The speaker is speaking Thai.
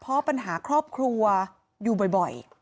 เพราะปัญหาครอบครัวอยู่บ่อย